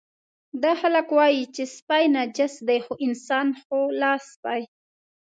دا خلک وایي چې سپي نجس دي، خو انسان خو له سپي.